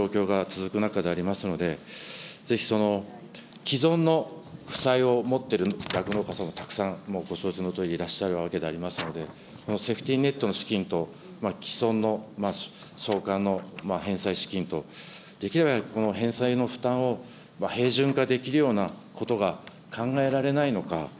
ただ本当にまだ、まだまだ厳しい状況が続く中でありますので、ぜひその既存の負債を持っている酪農家さんもたくさん、ご承知のとおりいらっしゃるわけでありますので、このセーフティネットの資金と既存の償還の返済資金と、できればこの返済の負担を平準化できるようなことが考えられないのか。